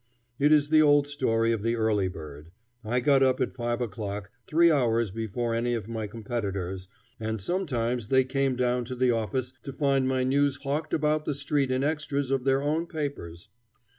It is the old story of the early bird. I got up at five o'clock, three hours before any of my competitors, and sometimes they came down to the office to find my news hawked about the street in extras of their own papers.